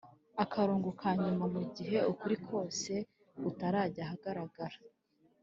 akarongo ka nyuma mu gihe ukuri kose kutarajya ahagaragara.